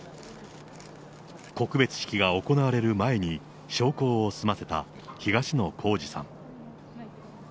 告別式が行われる前に焼香を済ませた東野幸治さん。